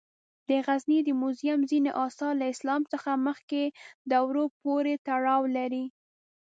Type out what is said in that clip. د غزني د موزیم ځینې آثار له اسلام څخه مخکې دورو پورې تړاو لري.